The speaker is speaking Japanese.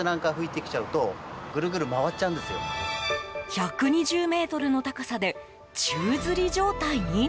１２０ｍの高さで宙づり状態に？